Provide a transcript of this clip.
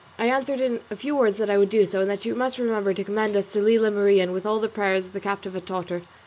I answered in a few words that I would do so, and that she must remember to commend us to Lela Marien with all the prayers the captive had taught her.